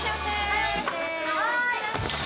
はい！